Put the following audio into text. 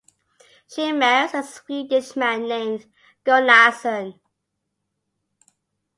She marries a Swedish man named Gunnarson.